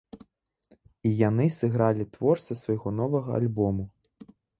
І яны сыгралі твор са свайго новага альбому.